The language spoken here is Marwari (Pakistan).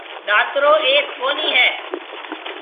ڏاترو ايٿ ڪونِي هيَ۔